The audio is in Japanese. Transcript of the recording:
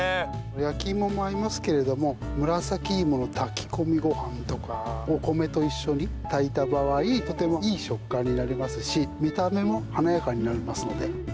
焼き芋も合いますけどムラサキイモの炊き込みご飯とかお米と一緒に炊いた場合にいい食感になりますし見た目も華やかになりますので。